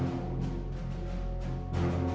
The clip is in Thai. ตอนต่อไป